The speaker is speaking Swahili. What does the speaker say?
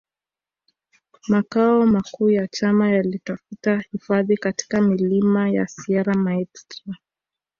Makao makuu ya chama yalitafuta hifadhi katika milima ya Sierra Maestra